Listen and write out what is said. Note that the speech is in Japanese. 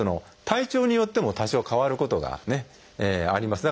体調によっても多少変わることがあります。